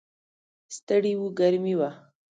ستړي و، ګرمي وه.